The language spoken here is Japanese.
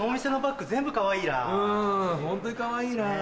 うんホントにかわいいら。